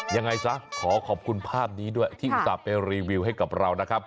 ยังไงซะขอขอบคุณภาพนี้ด้วยที่อุตส่าห์ไปรีวิวให้กับเรานะครับ